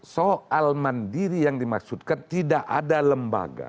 soal mandiri yang dimaksudkan tidak ada lembaga